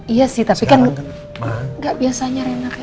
iya sih tapi kan gak biasanya rena kayak gitu